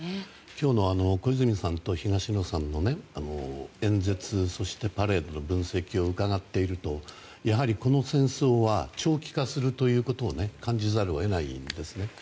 今日は小泉さんと東野さんの演説、そしてパレードの分析を伺っているとやはりこの戦争は長期化するということを感じざるを得ないんですね。